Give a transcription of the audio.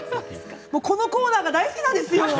このコーナーが大好きなんですよ